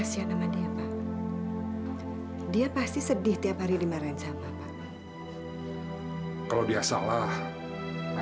jangan lupa like share dan subscribe ya